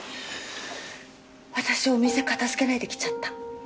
私お店片付けないで来ちゃった。